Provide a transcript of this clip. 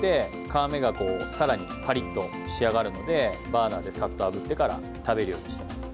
皮目がさらにパリっと仕上がるのでバーナーでさっとあぶってから食べるようにしています。